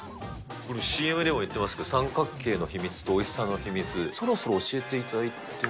これ、ＣＭでも言ってますけれども、三角形の秘密とおいしさの秘密、そろそろ教えていただいても。